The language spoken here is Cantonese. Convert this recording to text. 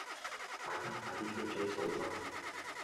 大家快啲去追數啦